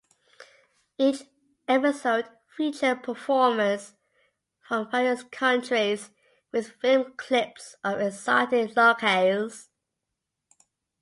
Each episode featured performers from various countries, with film clips of exotic locales.